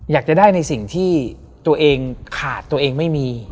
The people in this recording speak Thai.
อยากจะได้ในสิ่งที่ตัวเองขาดตัวเองไม่มี